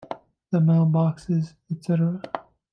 The Mail Boxes Etc.